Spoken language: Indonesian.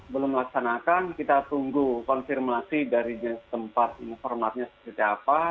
belum melaksanakan kita tunggu konfirmasi dari tempat informatnya seperti apa